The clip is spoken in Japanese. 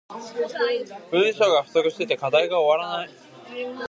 文章が不足してて課題が終わらない